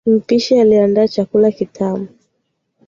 Mpishi aliandaa chakula kitamu